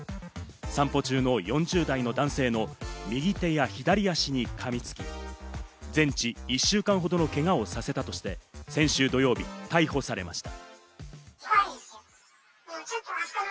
散歩中の４０代の男性の右手や左足に噛みつき、全治１週間程のけがをさせたとして先週土曜日、逮捕されました。